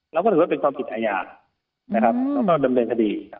เราก็ถือว่าเป็นความผิดอายานะครับแล้วก็เป็นเป็นคดี